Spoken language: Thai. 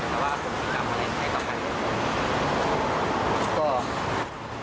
ถือว่าเป็นการหรือความอโอปกริกรรม